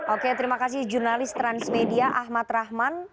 oke terima kasih jurnalis transmedia ahmad rahman